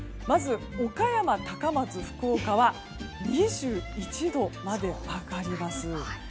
まず、岡山、高松、福岡は２１度まで上がります。